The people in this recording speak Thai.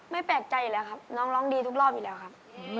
ไม่แปลกใจเลยครับน้องร้องดีทุกรอบอยู่แล้วครับ